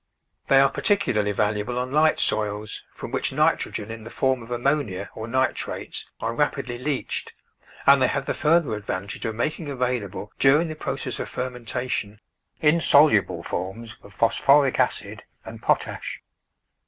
They are particularly valuable on light soils, from which nitrogen in the form of ammonia or nitrates are rapidly leached, and they have the further ad vantage of making available during the process of fermentation insoluble forms of phosphoric acid and potash.